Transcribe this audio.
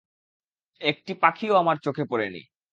একটি পাখিও আমার চোখে পড়ে নি।